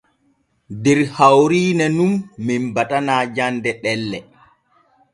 Der hawrine nun men batana jande ɗelle.